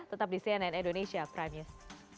tetap di cnn indonesia prime news